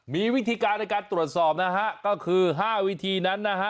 มีวิธีการในการตรวจสอบนะฮะก็คือ๕วิธีนั้นนะฮะ